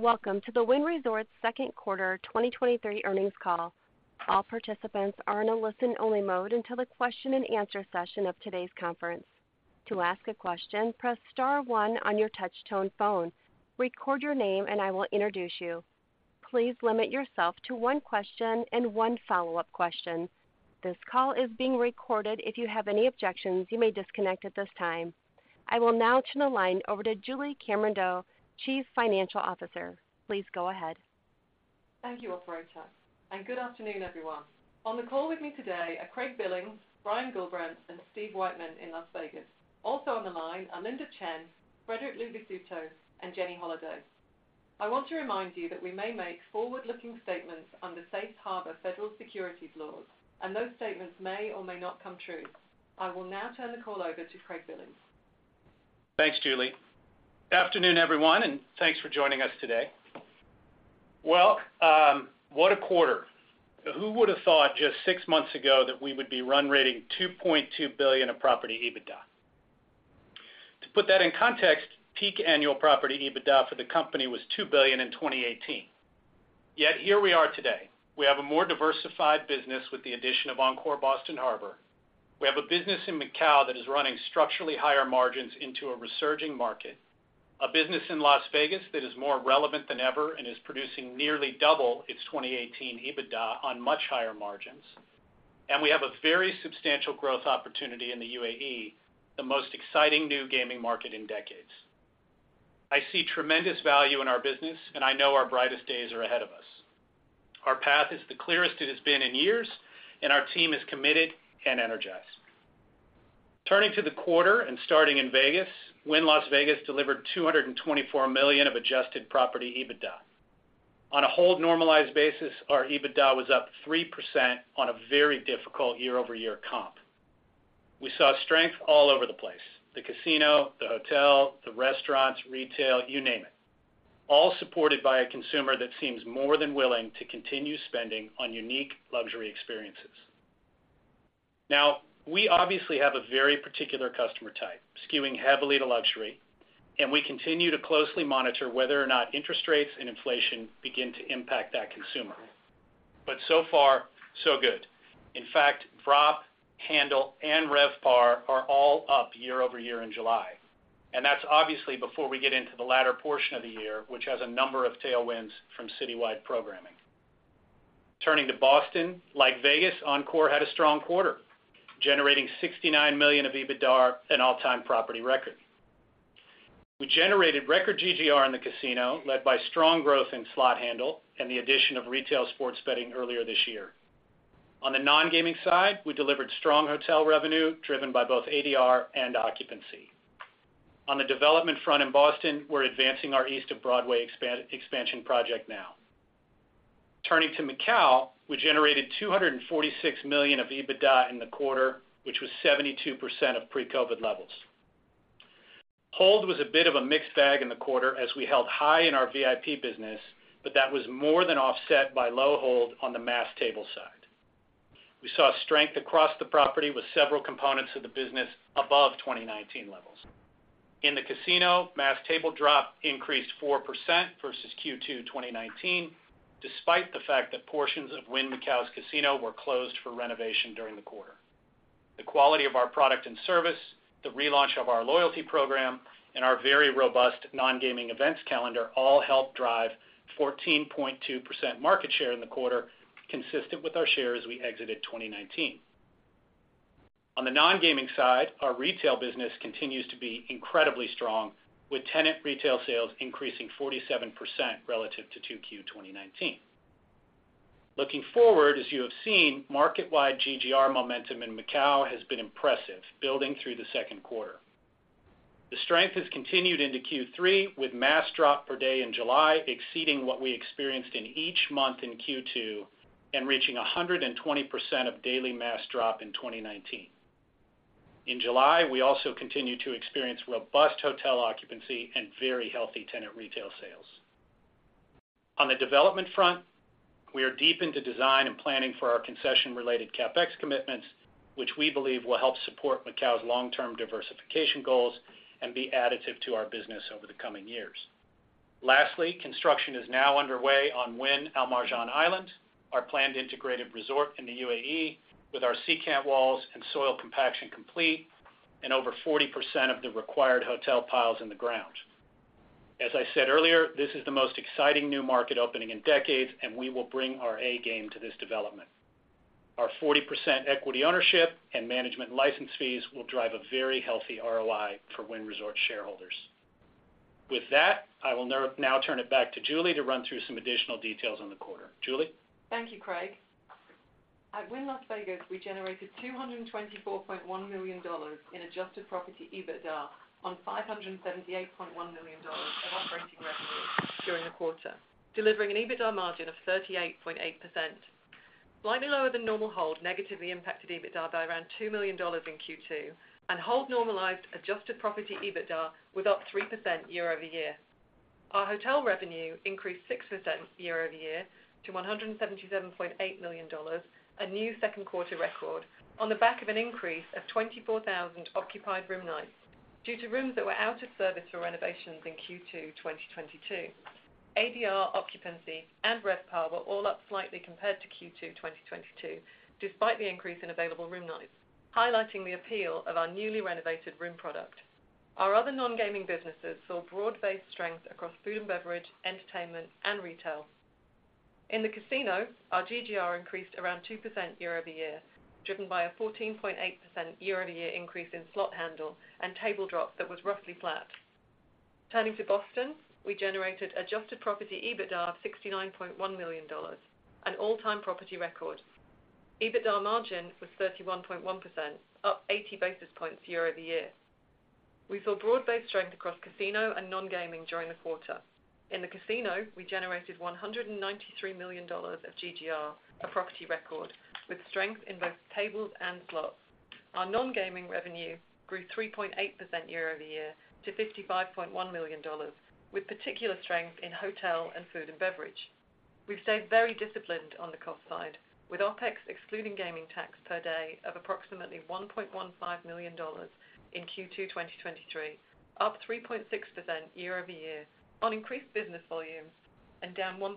Welcome to the Wynn Resorts Second Quarter 2023 Earnings Call. All participants are in a listen-only mode until the question and answer session of today's conference. To ask a question, press star one on your touchtone phone, record your name, and I will introduce you. Please limit yourself to one question and one follow-up question. This call is being recorded. If you have any objections, you may disconnect at this time. I will now turn the line over to Julie Cameron-Doe, Chief Financial Officer. Please go ahead. Thank you, Operator, and good afternoon, everyone. On the call with me today are Craig Billings, Brian Gullbrants, and Steve Weitman in Las Vegas. Also on the line are Linda Chen, Frederic Luvisutto, and Jenny Holaday. I want to remind you that we may make forward-looking statements under Safe Harbor federal securities laws, and those statements may or may not come true. I will now turn the call over to Craig Billings. Thanks Julie Afternoon, everyone, and thanks for joining us today. Well, what a quarter! Who would have thought just six months ago that we would be run rating $2.2 billion of property EBITDA? To put that in context, peak annual property EBITDA for the company was $2 billion in 2018. Yet here we are today. We have a more diversified business with the addition of Encore Boston Harbor. We have a business in Macau that is running structurally higher margins into a resurging market, a business in Las Vegas that is more relevant than ever and is producing nearly double its 2018 EBITDA on much higher margins. We have a very substantial growth opportunity in the UAE, the most exciting new gaming market in decades. I see tremendous value in our business, and I know our brightest days are ahead of us. Our path is the clearest it has been in years, and our team is committed and energized. Turning to the quarter and starting in Vegas, Wynn Las Vegas delivered $224 million of Adjusted Property EBITDAR. On a hold-normalized basis, our EBITDA was up 3% on a very difficult year-over-year comp. We saw strength all over the place: the casino, the hotel, the restaurants, retail, you name it, all supported by a consumer that seems more than willing to continue spending on unique luxury experiences. Now, we obviously have a very particular customer type, skewing heavily to luxury, and we continue to closely monitor whether or not interest rates and inflation begin to impact that consumer. So far, so good. In fact, Drop, Handle, and RevPAR are all up year-over-year in July, and that's obviously before we get into the latter portion of the year, which has a number of tailwinds from citywide programming. Turning to Boston, like Vegas, Encore had a strong quarter, generating $69 million of EBITDA, an all-time property record. We generated record GGR in the casino, led by strong growth in Slot Handle and the addition of retail sports betting earlier this year. On the non-gaming side, we delivered strong hotel revenue, driven by both ADR and occupancy. On the development front in Boston, we're advancing our East of Broadway expansion project now. Turning to Macau, we generated $246 million of EBITDA in the quarter, which was 72% of pre-COVID levels. Hold was a bit of a mixed bag in the quarter as we held high in our VIP business, but that was more than offset by low hold on the mass table side. We saw strength across the property, with several components of the business above 2019 levels. In the casino, mass table drop increased 4% versus Q2 2019, despite the fact that portions of Wynn Macau's casino were closed for renovation during the quarter. The quality of our product and service, the relaunch of our loyalty program, our very robust non-gaming events calendar all helped drive 14.2% market share in the quarter, consistent with our share as we exited 2019. On the non-gaming side, our retail business continues to be incredibly strong, with tenant retail sales increasing 47% relative to 2Q 2019. Looking forward, as you have seen, market-wide GGR momentum in Macau has been impressive, building through the second quarter. The strength has continued into Q3, with mass drop per day in July, exceeding what we experienced in each month in Q2 and reaching 120% of daily mass drop in 2019. In July, we also continued to experience robust hotel occupancy and very healthy tenant retail sales. On the development front, we are deep into design and planning for our Concession-Related CapEx commitments, which we believe will help support Macau's long-term diversification goals and be additive to our business over the coming years. Construction is now underway on Wynn Al Marjan Island, our planned Integrated Resort in the UAE, with our secant pile walls and soil compaction complete and over 40% of the required hotel piles in the ground. As I said earlier, this is the most exciting new market opening in decades, we will bring our A game to this development. Our 40% equity ownership and management license fees will drive a very healthy ROI for Wynn Resorts shareholders. With that, I will now turn it back to Julie to run through some additional details on the quarter. Julie? Thank you, Craig at Wynn Las Vegas, we generated $224.1 million in Adjusted Property EBITDAR on $578.1 million of operating revenue during the quarter, delivering an EBITDA margin of 38.8%. Slightly lower-than-normal-hold, negatively impacted EBITDA by around $2 million in Q2. Hold-normalized Adjusted Property EBITDA was up 3% year-over-year. Our hotel revenue increased 6% year-over-year to $177.8 million, a new second quarter record on the back of an increase of 24,000 occupied room nights. Due to rooms that were out of service for renovations in Q2 2022, ADR, occupancy, and RevPAR were all up slightly compared to Q2 2022, despite the increase in available room nights, highlighting the appeal of our newly renovated room product. Our other non-gaming businesses saw broad-based strength across food and beverage, entertainment, and retail. In the casino, our GGR increased around 2% year-over-year, driven by a 14.8% year-over-year increase in Slot Handle and table drop that was roughly flat. Turning to Boston, we generated Adjusted Property EBITDAR of $69.1 million, an all-time property record. EBITDA margin was 31.1%, up 80 basis points year-over-year. We saw broad-based strength across casino and non-gaming during the quarter. In the casino, we generated $193 million of GGR, a property record, with strength in both tables and slots. Our non-gaming revenue grew 3.8% year-over-year to $55.1 million, with particular strength in hotel and food and beverage. We've stayed very disciplined on the cost side, with OpEx, excluding gaming tax per day, of approximately $1.15 million in Q2 2023, up 3.6% year-over-year on increased business volumes and down 1%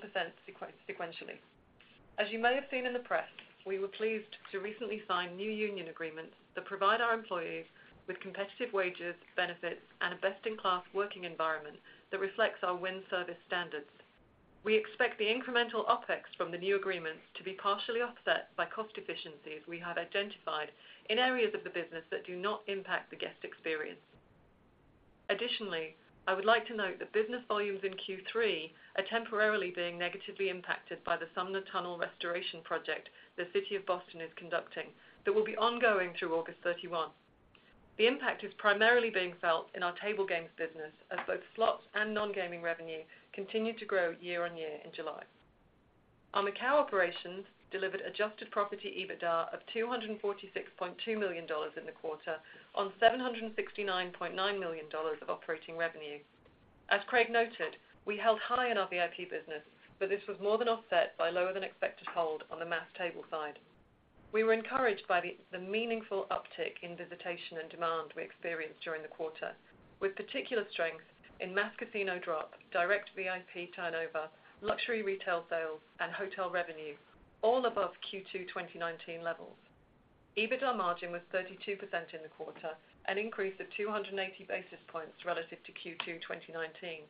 sequentially. As you may have seen in the press, we were pleased to recently sign new union agreements that provide our employees with competitive wages, benefits, and a best-in-class working environment that reflects our Wynn service standards. We expect the incremental OpEx from the new agreements to be partially offset by cost efficiencies we have identified in areas of the business that do not impact the guest experience. I would like to note that business volumes in Q3 are temporarily being negatively impacted by the Sumner Tunnel restoration project the City of Boston is conducting, that will be ongoing through August 31. The impact is primarily being felt in our Table Games business, as both slots and non-gaming revenue continued to grow year-on-year in July. Our Macau operations delivered Adjusted Property EBITDAR of $246.2 million in the quarter on $769.9 million of operating revenue. As Craig noted, we held high in our VIP business. This was more than offset by lower than expected hold on the mass table side. We were encouraged by the meaningful uptick in visitation and demand we experienced during the quarter, with particular strength in mass casino drop, direct VIP Turnover, Luxury Retail Sales, and Hotel Revenue, all above Q2 2019 levels. EBITDA margin was 32% in the quarter, an increase of 280 basis points relative to Q2 2019,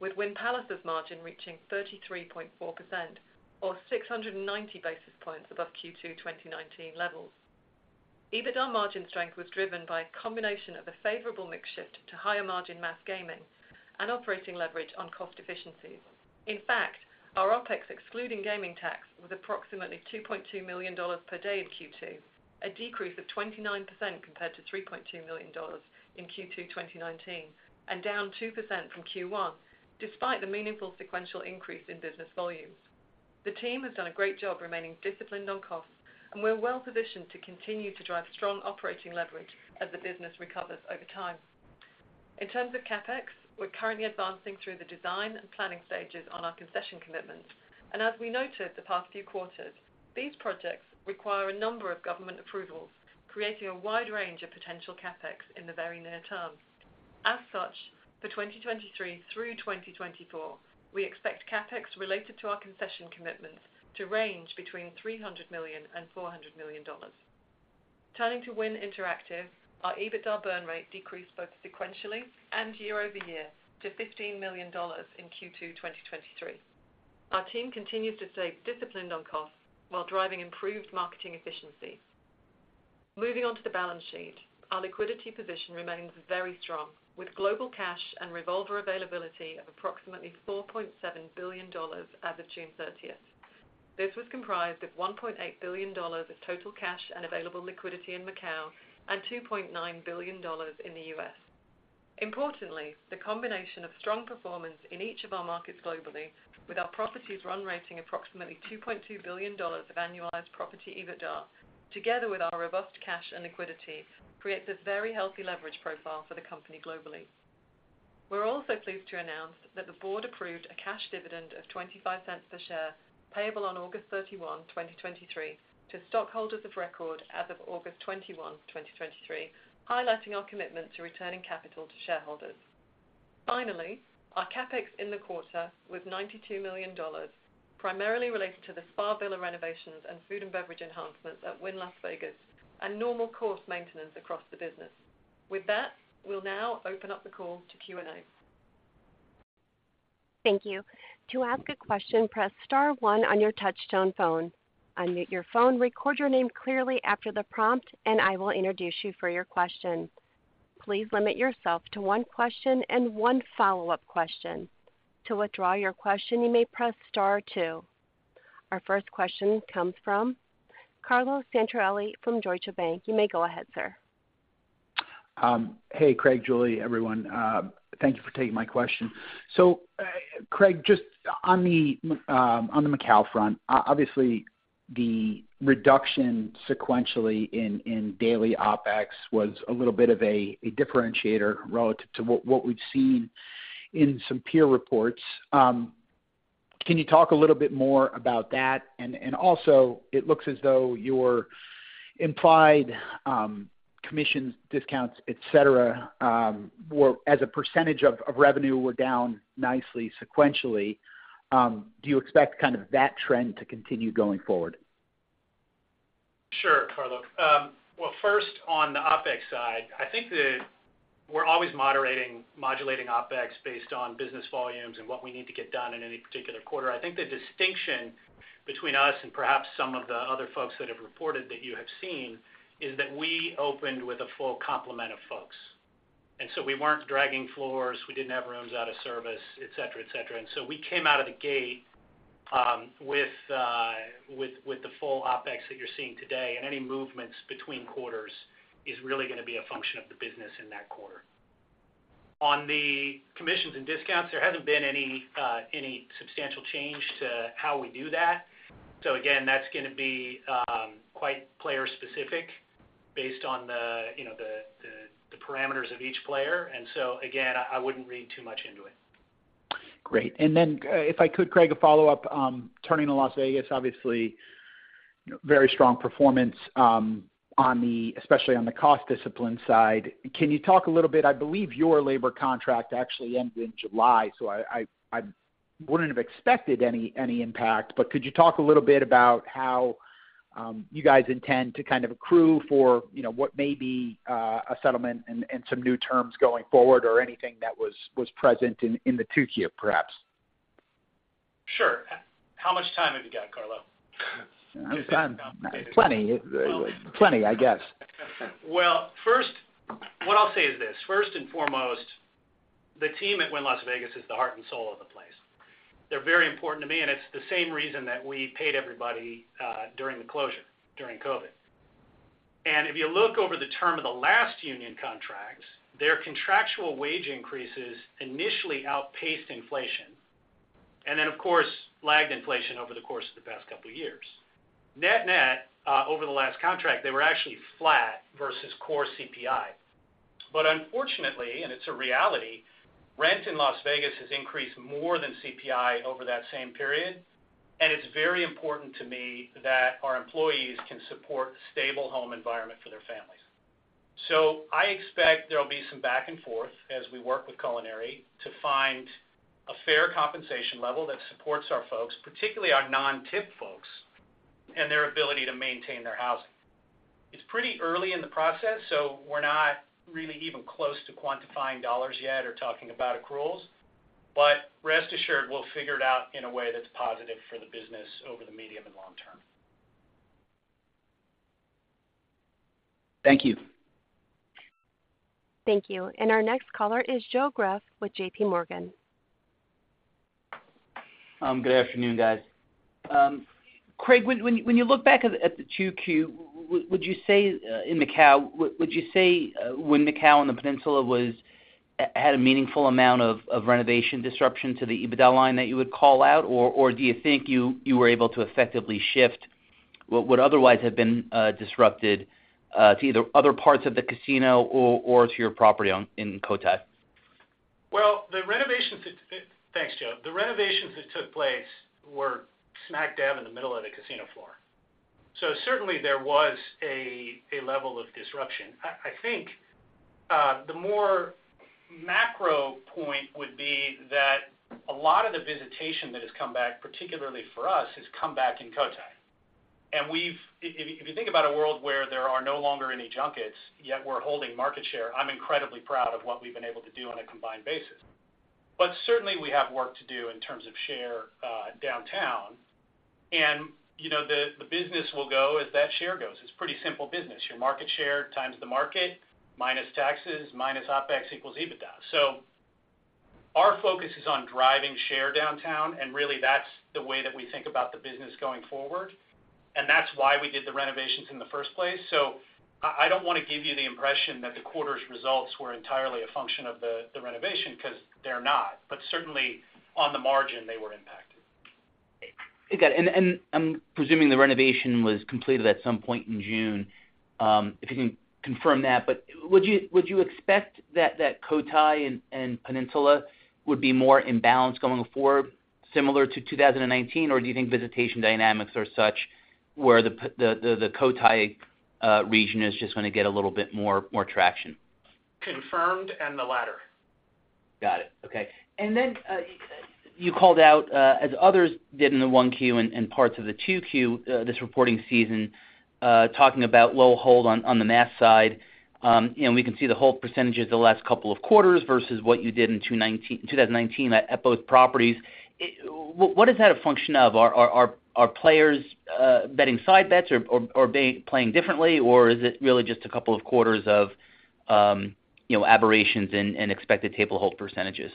with Wynn Palace's margin reaching 33.4% or 690 basis points above Q2 2019 levels. EBITDA margin strength was driven by a combination of a favorable mix shift to higher-margin mass gaming and operating leverage on cost efficiencies. In fact, our OpEx, excluding gaming tax, was approximately $2.2 million per day in Q2, a decrease of 29% compared to $3.2 million in Q2 2019, and down 2% from Q1, despite the meaningful sequential increase in business volumes. The team has done a great job remaining disciplined on costs, we're well positioned to continue to drive strong operating leverage as the business recovers over time. In terms of CapEx, we're currently advancing through the design and planning stages on our concession commitments. As we noted the past few quarters, these projects require a number of government approvals, creating a wide range of potential CapEx in the very near term. As such, for 2023 through 2024, we expect CapEx related to our concession commitments to range between $300 million and $400 million. Turning to Wynn Interactive, our EBITDAR Burn Rate decreased both sequentially and year-over-year to $15 million in Q2 2023. Our team continues to stay disciplined on costs while driving improved marketing efficiencies. Moving on to the balance sheet. Our liquidity position remains very strong, with global cash and revolver availability of approximately $4.7 billion as of June 30th. This was comprised of $1.8 billion of total cash and available liquidity in Macau and $2.9 billion in the U.S. Importantly, the combination of strong performance in each of our markets globally, with our properties run rating approximately $2.2 billion of annualized property EBITDA, together with our robust cash and liquidity, creates a very healthy leverage profile for the company globally. We're also pleased to announce that the board approved a cash dividend of $0.25 per share, payable on August 31, 2023, to stockholders of record as of August 21, 2023, highlighting our commitment to returning capital to shareholders. Finally, our CapEx in the quarter was $92 million, primarily related to the Spa Villa renovations and food and beverage enhancements at Wynn Las Vegas and normal course maintenance across the business. With that, we'll now open up the call to Q&A. Thank you. To ask a question, press star one on your touchtone phone. Unmute your phone, record your name clearly after the prompt, and I will introduce you for your question. Please limit yourself to one question and one follow-up question. To withdraw your question, you may press star two. Our first question comes from Carlo Santarelli from Deutsche Bank. You may go ahead, sir. Hey, Craig, Julie, everyone. Thank you for taking my question. Craig, just on the Macau front, obviously, the reduction sequentially in daily OpEx was a little bit of a differentiator relative to what we've seen in some peer reports. Can you talk a little bit more about that? Also, it looks as though your implied commissions, discounts, et cetera, were as a % of revenue, were down nicely sequentially. Do you expect kind of that trend to continue going forward? Sure, Carlo. Well, first, on the OpEx side, I think that we're always moderating, modulating OpEx based on business volumes and what we need to get done in any particular quarter. I think the distinction between us and perhaps some of the other folks that have reported that you have seen, is that we opened with a full complement of folks. So we weren't dragging floors, we didn't have rooms out of service, et cetera, et cetera. So we came out of the gate, with the full OpEx that you're seeing today, and any movements between quarters is really gonna be a function of the business in that quarter. On the commissions and discounts, there hasn't been any, any substantial change to how we do that. Again, that's gonna be, quite player specific based on the, you know, the, the, the parameters of each player. Again, I, I wouldn't read too much into it. Great. If I could, Craig, a follow-up. Turning to Las Vegas, obviously, very strong performance, especially on the cost discipline side. Can you talk a little bit, I believe your labor contract actually ends in July, so I, I, I wouldn't have expected any, any impact. Could you talk a little bit about how you guys intend to kind of accrue for, you know, what may be a settlement and, and some new terms going forward or anything that was, was present in, in the 2Q, perhaps? Sure. How much time have you got, Carlo? I've got plenty. Plenty, I guess. Well, first, what I'll say is this, first and foremost, the team at Wynn Las Vegas is the heart and soul of the place. They're very important to me, and it's the same reason that we paid everybody, during the closure, during COVID. If you look over the term of the last union contracts, their contractual wage increases initially outpaced inflation, and then, of course, lagged inflation over the course of the past couple of years. Net-net, over the last contract, they were actually flat versus core CPI. Unfortunately, and it's a reality, rent in Las Vegas has increased more than CPI over that same period, and it's very important to me that our employees can support stable home environment for their families. I expect there will be some back and forth as we work with Culinary to find a fair compensation level that supports our folks, particularly our non-tip folks, and their ability to maintain their housing. It's pretty early in the process, so we're not really even close to quantifying dollars yet or talking about accruals, but rest assured, we'll figure it out in a way that's positive for the business over the medium and long term. Thank you. Thank you. Our next caller is Joe Greff with J.P. Morgan. Good afternoon, guys. Craig, when, when, when you look back at the 2Q, would, would you say, in Macau, would, would you say, when Macau on the Peninsula was had a meaningful amount of renovation disruption to the EBITDA line that you would call out, or do you think you were able to effectively shift what would otherwise have been disrupted to either other parts of the casino or to your property on, in Cotai? Well Thanks Joe the renovations that took place were smack dab in the middle of the casino floor. Certainly, there was a level of disruption. I think the more macro point would be that a lot of the visitation that has come back, particularly for us, has come back in Cotai. If you think about a world where there are no longer any junkets, yet we're holding market share, I'm incredibly proud of what we've been able to do on a combined basis. Certainly, we have work to do in terms of share downtown. You know, the business will go as that share goes. It's pretty simple business. Your market share times the market, minus taxes, minus OpEx, equals EBITDA. Our focus is on driving share downtown, and really, that's the way that we think about the business going forward. That's why we did the renovations in the first place. I, I don't wanna give you the impression that the quarter's results were entirely a function of the renovation, because they're not. Certainly, on the margin, they were impacted. Okay. I'm presuming the renovation was completed at some point in June, if you can confirm that. Would you, would you expect that that Cotai and Peninsula would be more in balance going forward, similar to 2019, or do you think visitation dynamics are such where the Cotai region is just gonna get a little bit more, more traction? Confirmed, and the latter. Got it. Okay. You called out, as others did in the 1Q and parts of the 2Q, this reporting season, talking about low hold on the mass side. We can see the hold percentages the last couple of quarters versus what you did in 2019 at both properties. What, what is that a function of? Are players betting side bets or they playing differently, or is it really just a couple of quarters of, you know, aberrations and expected table hold percentages?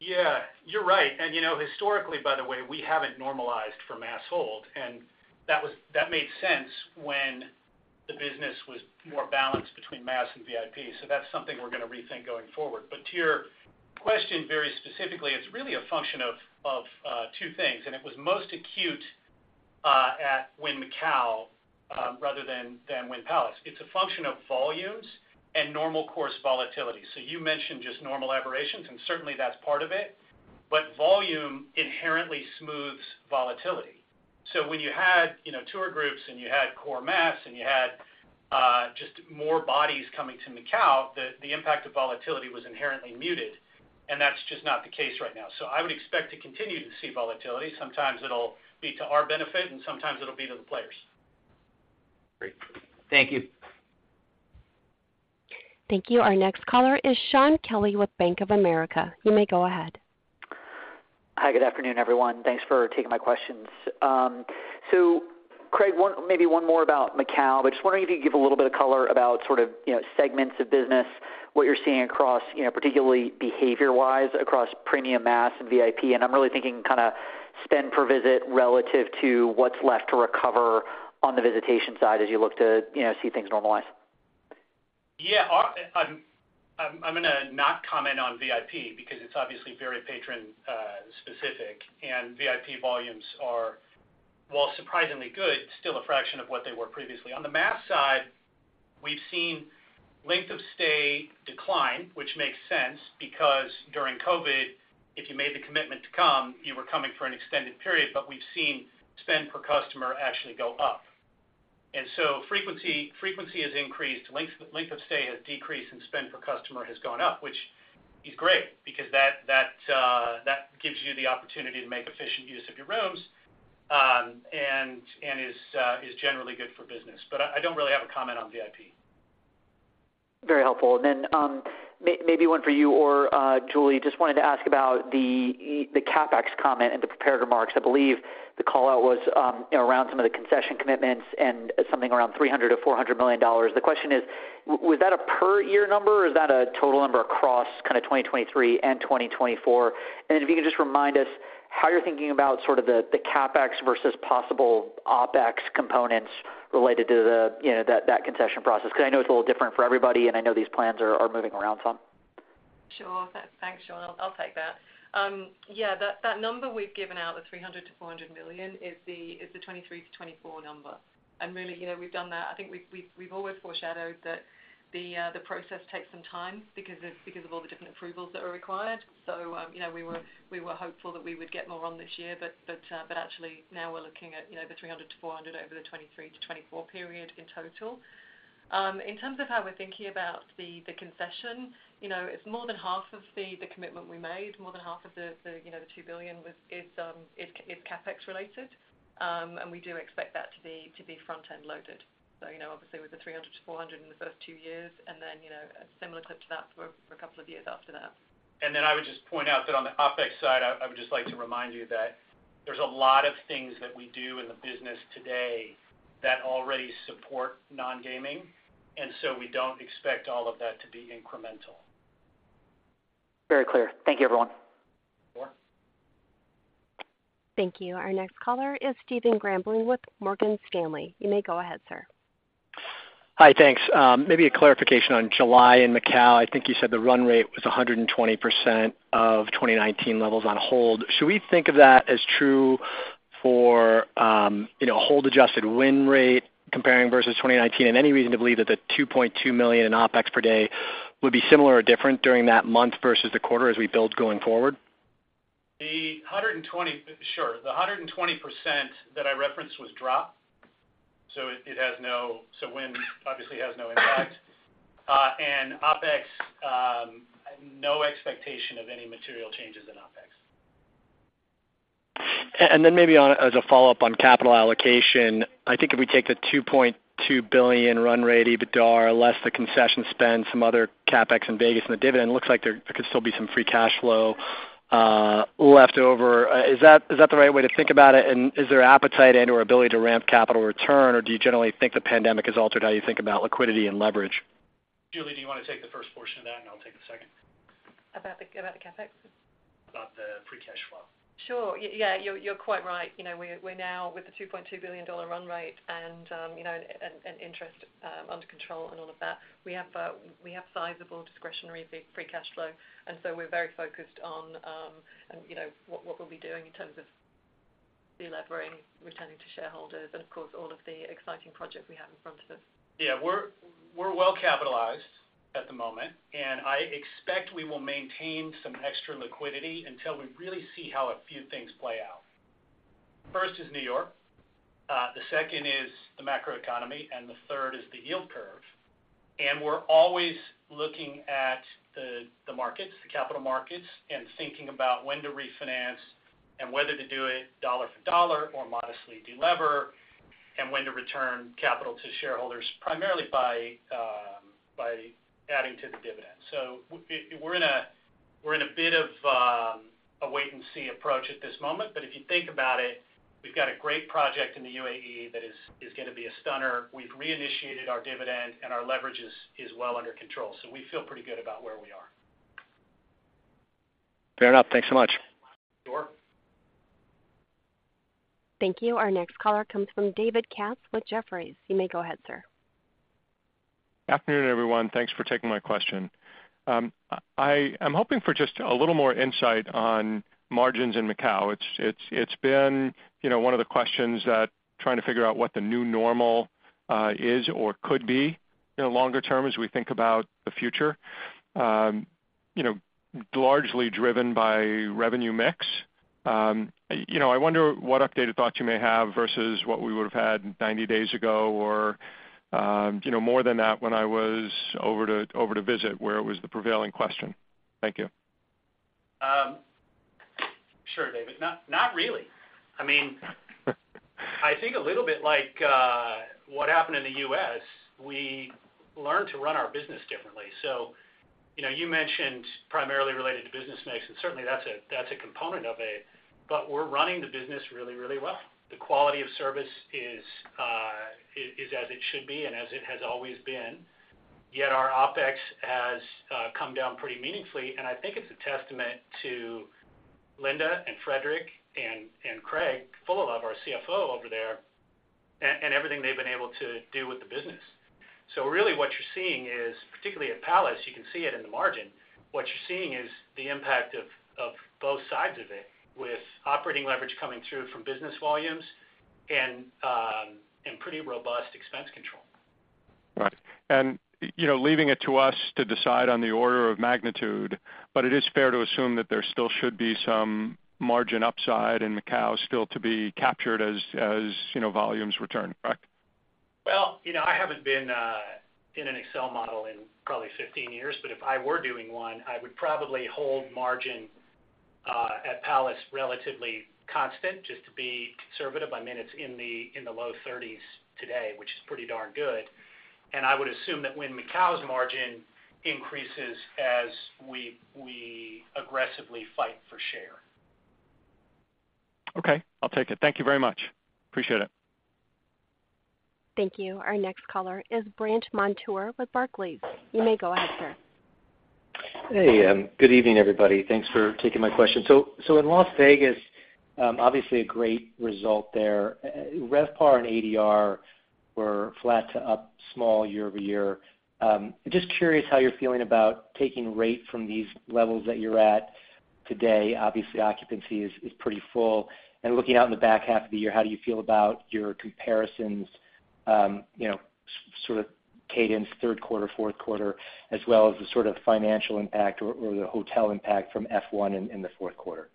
Yeah, you're right. You know, historically, by the way, we haven't normalized for mass hold, and that was that made sense when the business was more balanced between mass and VIP. That's something we're gonna rethink going forward. To your question, very specifically, it's really a function of, of two things, and it was most acute at Wynn Macau, rather than, than Wynn Palace. It's a function of volumes and normal course volatility. You mentioned just normal aberrations, and certainly that's part of it. Volume inherently smooths volatility. When you had, you know, tour groups and you had core mass, and you had just more bodies coming to Macau, the, the impact of volatility was inherently muted, and that's just not the case right now. I would expect to continue to see volatility. Sometimes it'll be to our benefit, and sometimes it'll be to the players. Great. Thank you. Thank you. Our next caller is Shaun Kelley with Bank of America. You may go ahead. Hi, good afternoon, everyone. Thanks for taking my questions. Craig, maybe one more about Macau, but just wondering if you could give a little bit of color about sort of, you know, segments of business, what you're seeing across, you know, particularly behavior-wise, across premium mass and VIP. I'm really thinking kind of spend per visit relative to what's left o recover on the visitation side as you look to, you know, see things normalize? Yeah, our, I'm gonna not comment on VIP because it's obviously very patron specific, and VIP volumes are, while surprisingly good, still a fraction of what they were previously. On the mass side, we've seen length of stay decline, which makes sense, because during COVID, if you made the commitment to come, you were coming for an extended period, but we've seen spend per customer actually go up. Frequency has increased, length of stay has decreased, and spend per customer has gone up, which is great because that, that gives you the opportunity to make efficient use of your rooms, and is generally good for business. I don't really have a comment on VIP. Very helpful. Then, maybe one for you or Julie, just wanted to ask about the, the CapEx comment in the prepared remarks. I believe the call-out was, you know, around some of the concession commitments and something around $300 million-$400 million. The question is, was that a per year number, or is that a total number across kind of 2023 and 2024? Then if you could just remind us how you're thinking about sort of the, the CapEx versus possible OpEx components related to the, you know, that, that concession process, because I know it's a little different for everybody, and I know these plans are, are moving around some. Sure Thanks Shaun I'll take that. Yeah, that number we've given out, the $300 million-$400 million, is the 2023-2024 number. You know, we've done that. I think we've, we've, we've always foreshadowed that the process takes some time because of, because of all the different approvals that are required. You know, we were, we were hopeful that we would get more on this year, but actually now we're looking at, you know, the $300 million-$400 million over the 2023-2024 period in total. In terms of how we're thinking about the concession, you know, it's more than half of the commitment we made, more than half of the, you know, the $2 billion was, is, is CapEx related. We do expect that to be, to be front-end loaded. You know, obviously, with the $300-$400 in the first two years, and then, you know, a similar clip to that for 2 years after that. Then I would just point out that on the OpEx side, I would just like to remind you that there's a lot of things that we do in the business today that already support non-gaming, and so we don't expect all of that to be incremental. Very clear. Thank you, everyone. Sure. Thank you. Our next caller is Stephen Grambling with Morgan Stanley. You may go ahead, sir. Hi, Thanks maybe a clarification on July in Macau. I think you said the run rate was 120% of 2019 levels on hold. Should we think of that as true for, you know, hold-adjusted win rate comparing versus 2019? Any reason to believe that the $2.2 million in OpEx per day would be similar or different during that month versus the quarter as we build going forward? Sure, the 120% that I referenced was drop, so win obviously has no impact. OpEx, no expectation of any material changes in OpEx. Then maybe on, as a follow-up on capital allocation, I think if we take the $2.2 billion run rate, EBITDAR, less the concession spend, some other CapEx in Vegas and the dividend, looks like there, there could still be some free cash flow left over. Is that, is that the right way to think about it? Is there appetite and/or ability to ramp capital return, or do you generally think the pandemic has altered how you think about liquidity and leverage? Julie, do you want to take the first portion of that, and I'll take the second? About the, about the CapEx? About the free cash flow. Sure. yeah, you're, you're quite right. You know, we're, we're now with the $2.2 billion run rate and, you know, and, and interest under control and all of that. We have sizable discretionary big free cash flow, and so we're very focused on, and, you know, what, what we'll be doing in terms of delevering, returning to shareholders, and of course, all of the exciting projects we have in front of us. Yeah, we're, we're well capitalized at the moment. I expect we will maintain some extra liquidity until we really see how a few things play out. First is New York, the second is the macroeconomy, the third is the yield curve. We're always looking at the, the markets, the capital markets, and thinking about when to refinance and whether to do it dollar for dollar or modestly delever, and when to return capital to shareholders, primarily by adding to the dividend. We're in a, we're in a bit of a wait and see approach at this moment. If you think about it, we've got a great project in the UAE that is, is gonna be a stunner. We've reinitiated our dividend, and our leverage is, is well under control, so we feel pretty good about where we are. Fair enough. Thanks so much. Sure. Thank you. Our next caller comes from David Katz with Jefferies. You may go ahead, sir. Afternoon, everyone. Thanks for taking my question. I'm hoping for just a little more insight on margins in Macau. It's, it's, it's been, you know, one of the questions that trying to figure out what the new normal is or could be in the longer term as we think about the future, you know, largely driven by revenue mix. You know, I wonder what updated thoughts you may have versus what we would have had 90 days ago, or, you know, more than that when I was over to, over to visit, where it was the prevailing question. Thank you. Sure, David. Not, not really. I mean, I think a little bit like what happened in the U.S., we learned to run our business differently. You know, you mentioned primarily related to business mix, and certainly, that's a, that's a component of it, but we're running the business really, really well. The quality of service is as it should be and as it has always been, yet our OpEx has come down pretty meaningfully, and I think it's a testament to Linda and Frederic and Craig Fullalove, our CFO over there, and everything they've been able to do with the business. Really, what you're seeing is, particularly at Palace, you can see it in the margin. What you're seeing is the impact of, of both sides of it, with operating leverage coming through from business volumes and, and pretty robust expense control. Right. You know, leaving it to us to decide on the order of magnitude, but it is fair to assume that there still should be some margin upside in Macau still to be captured as, as, you know, volumes return, correct? Well, you know, I haven't been in an Excel model in probably 15 years, but if I were doing one, I would probably hold margin at Palace relatively constant, just to be conservative. I mean, it's in the low 30s today, which is pretty darn good. I would assume that when Macau's margin increases as we, we aggressively fight for share. Okay, I'll take it. Thank you very much. Appreciate it. Thank you. Our next caller is Brandt Montour with Barclays. You may go ahead, sir. Hey Good evening, everybody Thanks for taking my question. In Las Vegas, obviously a great result there. RevPAR and ADR were flat to up small year-over-year. Just curious how you're feeling about taking rate from these levels that you're at today. Obviously, occupancy is pretty full. Looking out in the back half of the year, how do you feel about your comparisons, you know, sort of cadence, third quarter, fourth quarter, as well as the sort of financial impact or the hotel impact from F1 in the fourth quarter?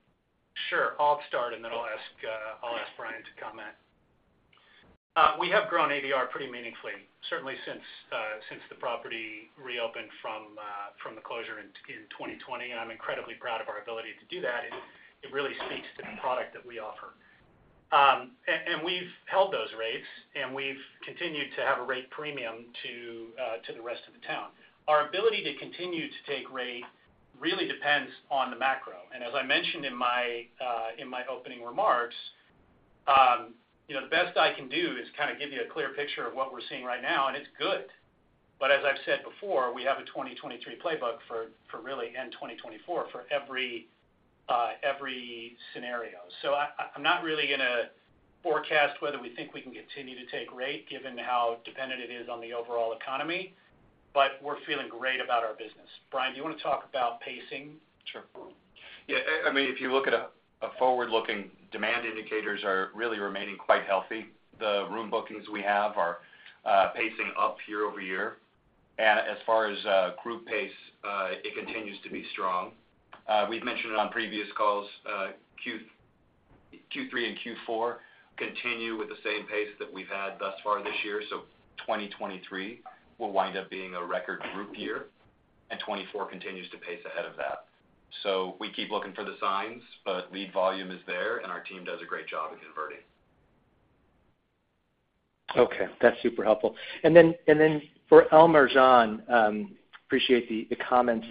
Sure. I'll start, and then I'll ask, I'll ask Brian to comment. We have grown ADR pretty meaningfully, certainly since, since the property reopened from, from the closure in, in 2020, and I'm incredibly proud of our ability to do that. It, it really speaks to the product that we offer. We've held those rates, and we've continued to have a rate premium to, to the rest of the town. Our ability to continue to take rate really depends on the macro. As I mentioned in my, in my opening remarks, you know, the best I can do is kind of give you a clear picture of what we're seeing right now, and it's good. As I've said before, we have a 2023 playbook for, for really, and 2024, for every, every scenario. I'm not really going to forecast whether we think we can continue to take rate given how dependent it is on the overall economy, but we're feeling great about our business. Brian, do you want to talk about pacing? Sure. Yeah, I mean, if you look at a forward-looking, demand indicators are really remaining quite healthy. The room bookings we have are pacing up year over year. As far as group pace, it continues to be strong. We've mentioned it on previous calls, Q3 and Q4 continue with the same pace that we've had thus far this year. 2023 will wind up being a record group year, and 2024 continues to pace ahead of that. We keep looking for the signs, but lead volume is there, and our team does a great job of converting. Okay, that's super helpful. Then, and then for Al Marjan, appreciate the comments,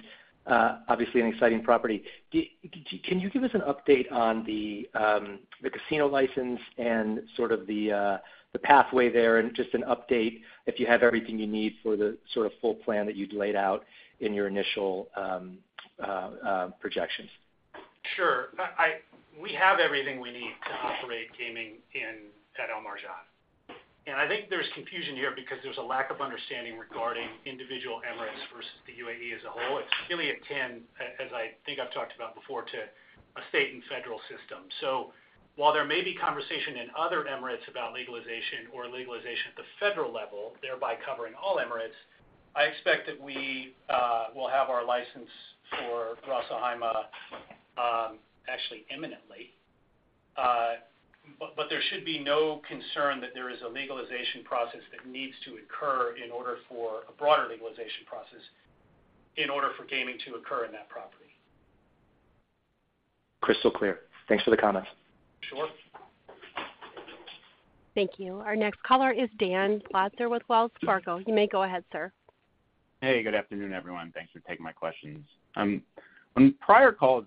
obviously an exciting property. Can, can you give us an update on the casino license and sort of the pathway there, and just an update if you have everything you need for the sort of full plan that you'd laid out in your initial, projections? Sure. I have everything we need to operate gaming in, at Al Marjan. I think there's confusion here because there's a lack of understanding regarding individual emirates versus the UAE as a whole. It's really akin, as I think I've talked about before, to a state and federal system. While there may be conversation in other emirates about legalization or legalization at the federal level, thereby covering all emirates, I expect that we will have our license for Ras Al Khaimah actually imminently. But there should be no concern that there is a legalization process that needs to occur in order for a broader legalization process, in order for gaming to occur in that property. Crystal clear. Thanks for the comments. Sure. Thank you. Our next caller is Dan Politzer with Wells Fargo. You may go ahead, sir. Hey, good afternoon, everyone. Thanks for taking my questions. On prior calls,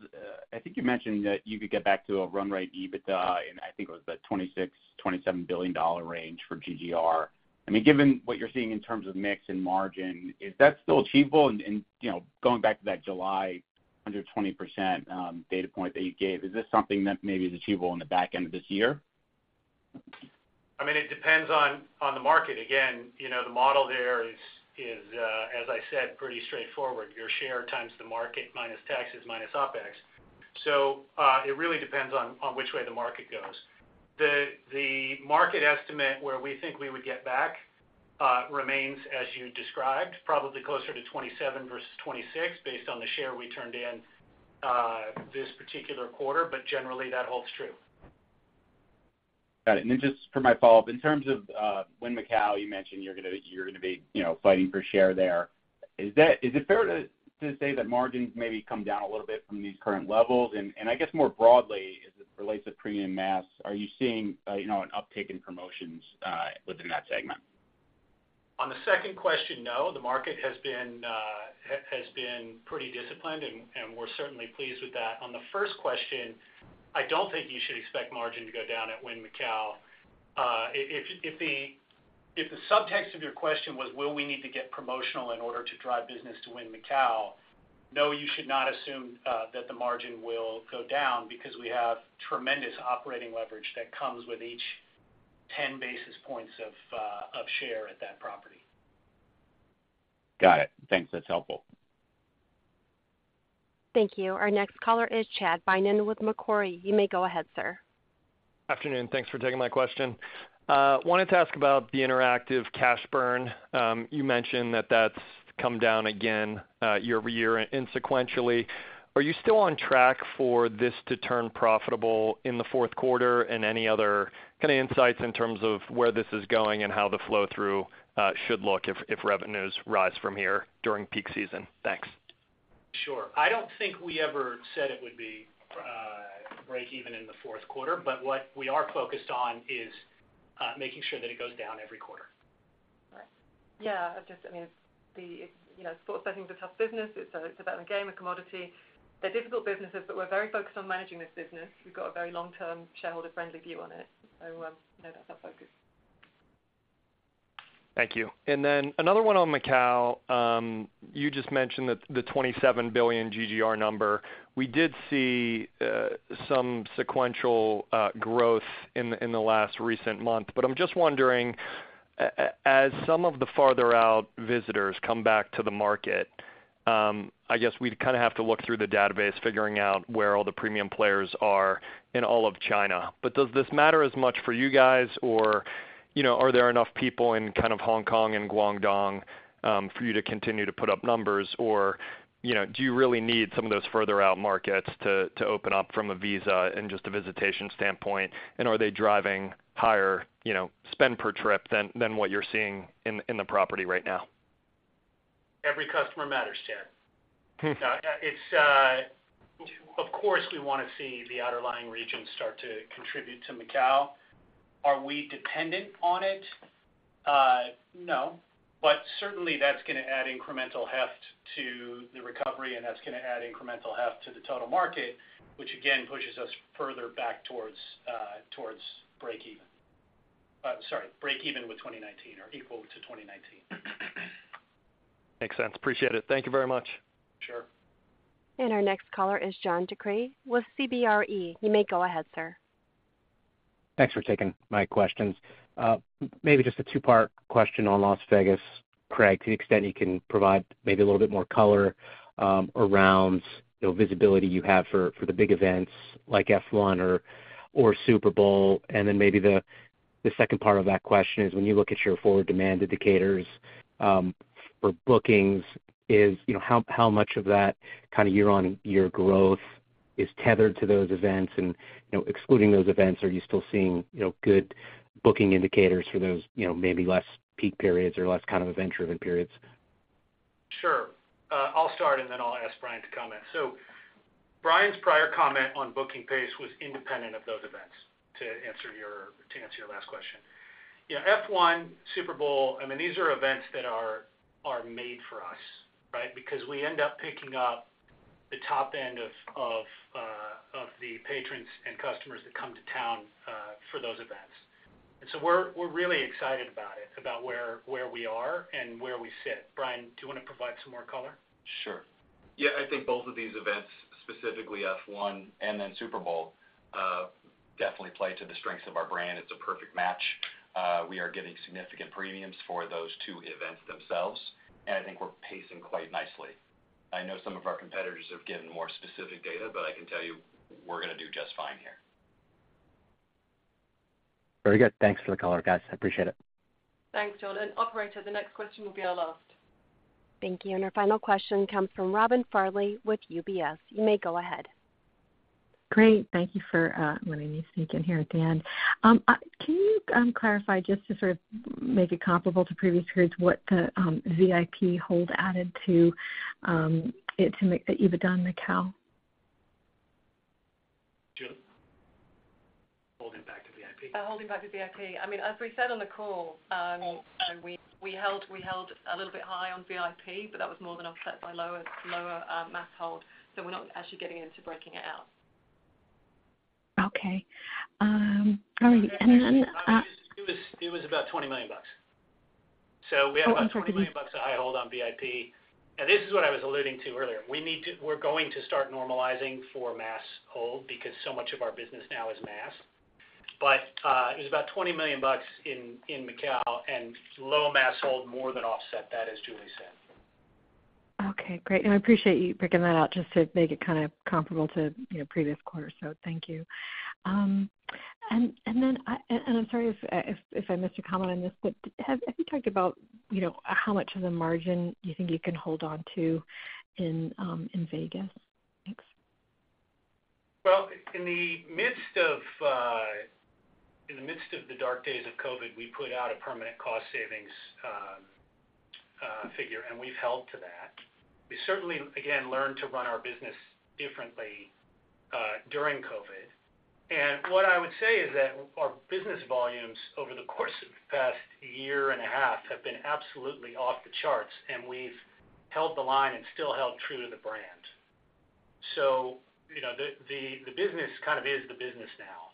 I think you mentioned that you could get back to a run rate EBITDA, and I think it was the $26 billion-$27 billion range for GGR. I mean, given what you're seeing in terms of mix and margin, is that still achievable? You know, going back to that July 120% data point that you gave, is this something that maybe is achievable in the back end of this year? I mean, it depends on, on the market. Again, you know, the model there is, is as I said, pretty straightforward. Your share times the market, minus taxes, minus OpEx. it really depends on, on which way the market goes. The, the market estimate where we think we would get back remains as you described, probably closer to 27 versus 26, based on the share we turned in this particular quarter, but generally, that holds true. Got it. Then just for my follow-up, in terms of Wynn Macau, you mentioned you're gonna, you're gonna be, you know, fighting for share there. Is it fair to, to say that margins maybe come down a little bit from these current levels? I guess more broadly, as it relates to premium mass, are you seeing, you know, an uptick in promotions within that segment? On the second question, no. The market has been pretty disciplined, and we're certainly pleased with that. On the first question, I don't think you should expect margin to go down at Wynn Macau. If the subtext of your question was, will we need to get promotional in order to drive business to Wynn Macau? No, you should not assume that the margin will go down because we have tremendous operating leverage that comes with each 10 basis points of share at that property. Got it. Thanks, that's helpful. Thank you. Our next caller is Chad Beynon with Macquarie. You may go ahead, sir. Afternoon Thanks for taking my question. wanted to ask about the Interactive cash burn. you mentioned that that's come down again, year-over-year and sequentially. Are you still on track for this to turn profitable in the fourth quarter? Any other kind of insights in terms of where this is going and how the flow-through, should look if, if revenues rise from here during peak season? Thanks. Sure. I don't think we ever said it would be, break even in the fourth quarter, but what we are focused on is, making sure that it goes down every quarter. Right. Yeah, I just, I mean, the, you know, sports betting is a tough business. It's a, it's about the game, a commodity. They're difficult businesses, but we're very focused on managing this business. We've got a very long-term, shareholder-friendly view on it. You know, that's our focus. Thank you. Another one on Macau. You just mentioned that the $27 billion GGR number. We did see some sequential growth in the, in the last recent month. I'm just wondering, as some of the farther out visitors come back to the market, I guess we'd kind of have to look through the database, figuring out where all the premium players are in all of China. Does this matter as much for you guys, or, you know, are there enough people in kind of Hong Kong and Guangdong for you to continue to put up numbers? You know, do you really need some of those further out markets to, to open up from a visa and just a visitation standpoint? Are they driving higher, you know, spend per trip than, than what you're seeing in, in the property right now? Every customer matters, Chad. Of course, we wanna see the outer lying regions start to contribute to Macau. Are we dependent on it? No. Certainly that's gonna add incremental heft to the recovery, and that's gonna add incremental heft to the total market, which again, pushes us further back towards, towards break even. Sorry, break even with 2019 or equal to 2019. Makes sense. Appreciate it. Thank you very much. Sure. Our next caller is John DeCree with CBRE. You may go ahead, sir. Thanks for taking my questions. Maybe just a two-part question on Las Vegas, Craig, to the extent you can provide maybe a little bit more color around the visibility you have for, for the big events like F1 or, or Super Bowl. Then maybe the, the second part of that question is, when you look at your forward demand indicators, for bookings, you know, how, how much of that kind of year-on-year growth is tethered to those events? You know, excluding those events, are you still seeing, you know, good booking indicators for those, you know, maybe less peak periods or less kind of event-driven periods? Sure. I'll start, and then I'll ask Brian to comment. So Brian's prior comment on booking pace was independent of those events, to answer your last question. Yeah, F1, Super Bowl, I mean, these are events that are made for us, right? Because we end up picking up the top end of the patrons and customers that come to town for those events. So we're really excited about it, about where we are and where we sit. Brian, do you want to provide some more color? Sure. Yeah, I think both of these events, specifically F1 and then Super Bowl, definitely play to the strengths of our brand. It's a perfect match. We are getting significant premiums for those two events themselves, and I think we're pacing quite nicely. I know some of our competitors have given more specific data, but I can tell you we're gonna do just fine here. Very good. Thanks for the color, guys. I appreciate it. Thanks, John. Operator, the next question will be our last. Thank you. Our final question comes from Robin Farley with UBS. You may go ahead. Great, thank you for letting me sneak in here at the end. Can you clarify, just to sort of make it comparable to previous periods, what the VIP hold added to it to make the EBITDA in Macau? Julie? Holding back the VIP. Holding back the VIP. I mean, as we said on the call, we, we held, we held a little bit high on VIP, but that was more than offset by lower, lower mass hold. We're not actually getting into breaking it out. Okay. Probably, and then, It was, it was about $20 million. We have about $20 million of high hold on VIP, and this is what I was alluding to earlier. We need to-- we're going to start normalizing for mass hold because so much of our business now is mass. It was about $20 million in, in Macau, and low mass hold more than offset that, as Julie said. Okay, great. I appreciate you breaking that out just to make it kind of comparable to, you know, previous quarters, so thank you. I'm sorry if, if I missed your comment on this, but have you talked about, you know, how much of the margin you think you can hold on to in Vegas? Well, in the midst of, in the midst of the dark days of COVID, we put out a permanent cost savings figure, and we've held to that. We certainly, again, learned to run our business differently during COVID. What I would say is that our business volumes over the course of the past year and a half have been absolutely off the charts, and we've held the line and still held true to the brand. You know, the, the, the business kind of is the business now.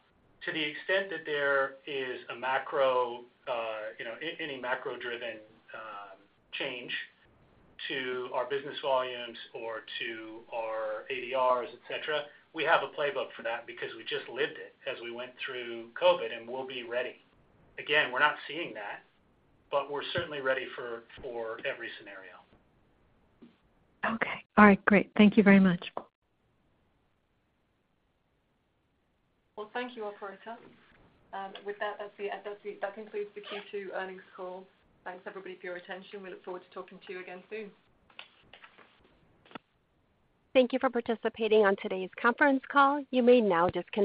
To the extent that there is a macro, you know, any macro-driven change to our business volumes or to our ADRs, et cetera, we have a playbook for that because we just lived it as we went through COVID, and we'll be ready. Again, we're not seeing that, but we're certainly ready for, for every scenario. Okay. All right, great. Thank you very much. Well, thank you, operator. With that, That concludes the Q2 earnings call. Thanks, everybody, for your attention. We look forward to talking to you again soon. Thank you for participating on today's conference call. You may now disconnect.